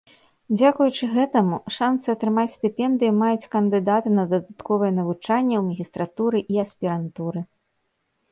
Дзякуючы гэтаму, шанцы атрымаць стыпендыю маюць кандыдаты на дадатковае навучанне ў магістратуры і аспірантуры.